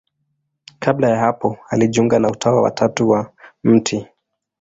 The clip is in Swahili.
Kabla ya hapo alijiunga na Utawa wa Tatu wa Mt.